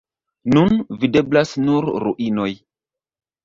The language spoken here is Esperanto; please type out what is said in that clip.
Nun videblas nur ruinoj.